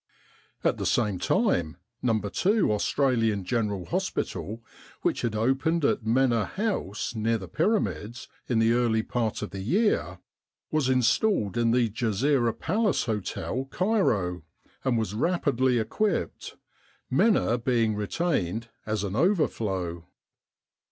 At the same time No. 2 Australian General Hospital, which had opened at Mena House near the Pyramids in the early part of the year, was in stalled in the Ghezira Palace Hotel, Cairo, and was rapidly equipped, Mena being retained as an overflow.